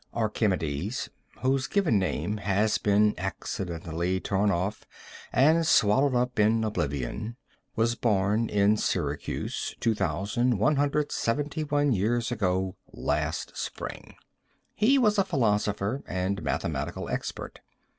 Archimedes, whose given name has been accidentally torn off and swallowed up in oblivion, was born in Syracuse, 2,171 years ago last spring. He was a philosopher and mathematical expert.